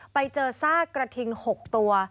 ไปเจอซากกระทิง๖ตัว